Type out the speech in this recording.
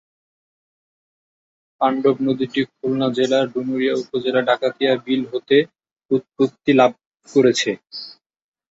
পাণ্ডব নদীটি খুলনা জেলার ডুমুরিয়া উপজেলার ডাকাতিয়া বিল হতে উৎপত্তি লাভ করেছে।